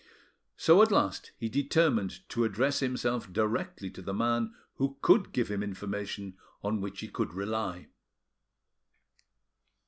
So at last he determined to address himself directly to the man who could give him information on which he could rely.